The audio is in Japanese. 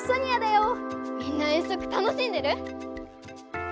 みんな遠足楽しんでる？